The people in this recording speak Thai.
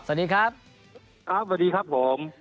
สวัสดีครับครับสวัสดีครับผม